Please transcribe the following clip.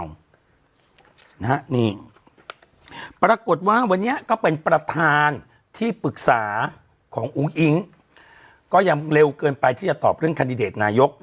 นี่ปรากฏว่าวันนี้ก็เป็นประธานที่ปรึกษาของอุ้งอิ๊งก็ยังเร็วเกินไปที่จะตอบเรื่องคันดิเดตนายก